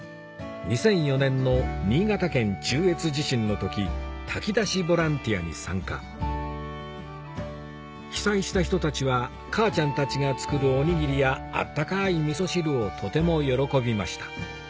２００４年の新潟県中越地震の時炊き出しボランティアに参加被災した人たちは母ちゃんたちが作るおにぎりや温かい味噌汁をとても喜びました